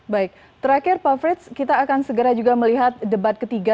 baik terakhir pak frits kita akan segera juga melihat debat ketiga